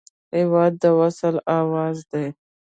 هېواد د وصل اواز دی.